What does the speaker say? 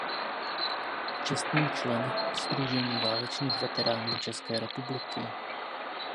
Čestný člen Sdružení válečných veteránů České republiky.